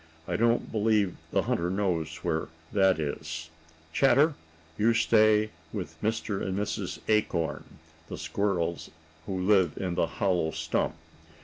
I don't believe the hunter knows where that is. "Chatter, you can stay with Mr. and Mrs. Acorn, the squirrels who live in the hollow stump.